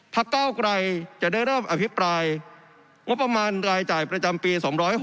เก้าไกรจะได้เริ่มอภิปรายงบประมาณรายจ่ายประจำปี๒๖๖